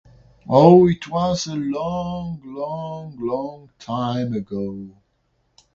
Oh, it was a long, long, long time ago.